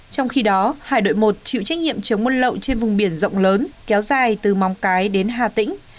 trong khi đó hải đội một chịu trách nhiệm chống buôn lậu trên vùng biển rộng lớn kéo dài từ móng cái đến hà tĩnh